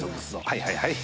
はいはいはい。